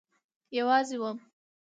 یوازی وم